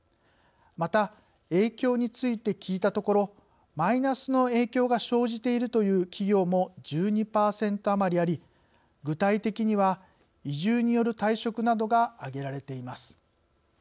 また、影響について聞いたところ「マイナスの影響が生じている」という企業も１２％余りあり具体的には「移住による退職」などが挙げられています。